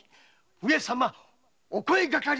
“上様お声掛かり”。